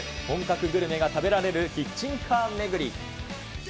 本格グルメが食べられるキッチンカー巡り。